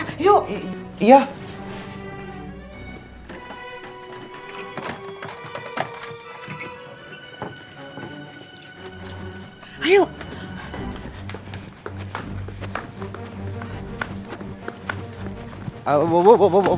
ma mau cari mereka